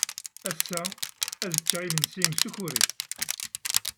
Ass-a, d ččeɣ imensi s ukuri.